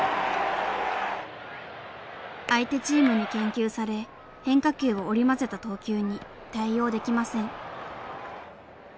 相手チームに研究され変化球を織り交ぜた投球に対応できません。